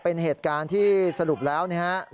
เป็นเหตุการณ์ที่สรุปแล้วนะฮะ